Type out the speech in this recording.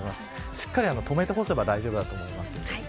しっかりと留めて干せば大丈夫だと思います。